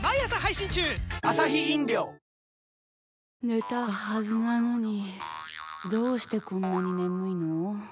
寝たはずなのにどうしてこんなに眠いの。